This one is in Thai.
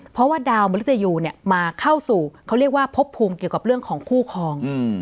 เพราะว่าดาวมริตยูเนี่ยมาเข้าสู่เขาเรียกว่าพบภูมิเกี่ยวกับเรื่องของคู่คลอง